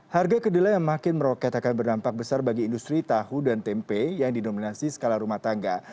harga kedelai yang makin meroket akan berdampak besar bagi industri tahu dan tempe yang didominasi skala rumah tangga